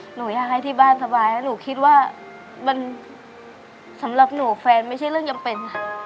หนูอยากให้ที่บ้านสบายแล้วหนูคิดว่ามันสำหรับหนูแฟนไม่ใช่เรื่องจำเป็น